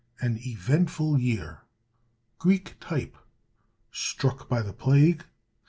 An Eventful Year. Greek Type. Struck by the Plague.